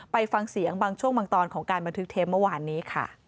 ไปฟังเสียงบางช่วงบางตอนของการบันทึกเทปเมื่อวานนี้ค่ะ